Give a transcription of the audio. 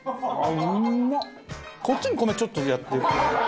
こっちに米ちょっとやって。